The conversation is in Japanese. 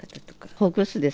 ほぐすです。